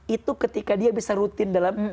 itu ketika dia bisa rutin dalam